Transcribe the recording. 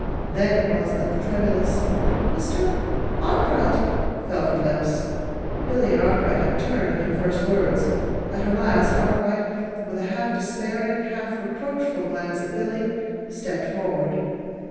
Then it was that the tremulous "Mr. Arkwright!" fell from her lips. Billy and Arkwright had turned at her first words. At her last, Arkwright, with a half despairing, half reproachful glance at Billy, stepped forward.